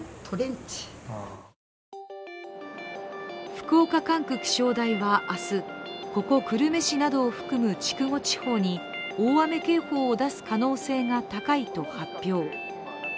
福岡管区気象台は明日、ここ久留米市などを含む筑後地方に大雨警報を出す可能性が高いと発表。